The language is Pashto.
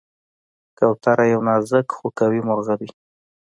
کوتره یو نازک خو قوي مرغه ده.